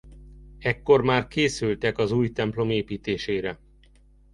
Ekkor már készültek az új templom építésére.